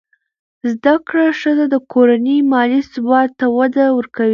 زده کړه ښځه د کورنۍ مالي ثبات ته وده ورکوي.